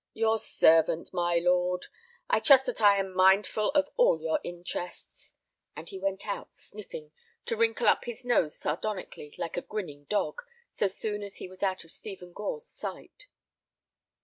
"Your servant, my lord. I trust that I am mindful of all your interests." And he went out sniffing, to wrinkle up his nose sardonically, like a grinning dog, so soon as he was out of Stephen Gore's sight.